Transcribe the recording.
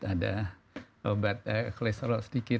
ada kleserol sedikit